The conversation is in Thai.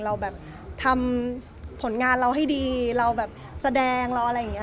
เราแบบทำผลงานเราให้ดีเราแบบแสดงเราอะไรอย่างนี้